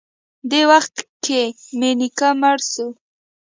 دې وخت کښې مې نيکه مړ سو.